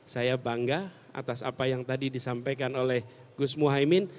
saya bangga atas apa yang tadi disampaikan oleh gus muhaymin